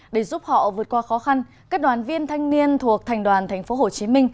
để giúp họ vượt qua khó khăn các đoàn viên thanh niên thuộc thành đoàn tp hcm